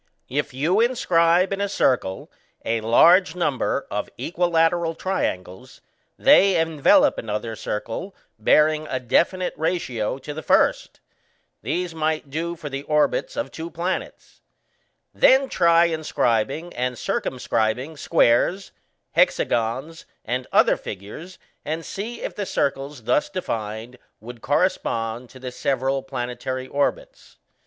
If you inscribe in a circle a large number of equilateral triangles, they envelop another circle bearing a definite ratio to the first: these might do for the orbits of two planets (see Fig. 27). Then try inscribing and circumscribing squares, hexagons, and other figures, and see if the circles thus defined would correspond to the several planetary orbits.